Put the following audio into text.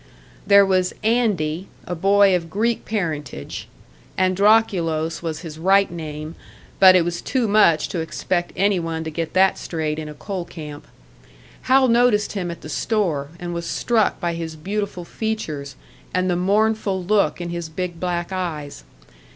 There was "Andy," a boy of Greek parentage; Androkulos was his right name but it was too much to expect any one to get that straight in a coal camp. Hal noticed him at the store, and was struck by his beautiful features, and the mournful look in his big black eyes.